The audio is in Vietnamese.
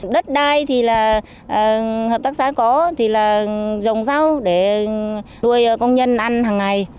đất đai thì là hợp tác xã có thì là dòng rau để nuôi công nhân ăn hằng ngày